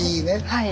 はい。